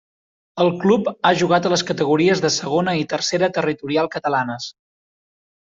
El club ha jugat a les categories de Segona i Tercera territorial catalanes.